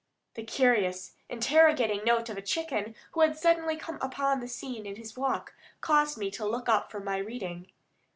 The curious, interrogating note of a chicken who had suddenly come upon the scene in his walk caused me to look up from my reading.